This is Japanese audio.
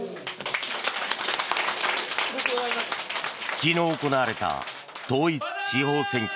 昨日行われた統一地方選挙